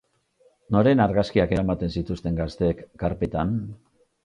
Noren argazkiak eramaten zituzten gazteek karpetan?